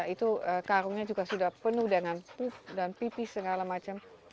lalu karungnya juga sudah penuh dengan puf dan pipi segala macam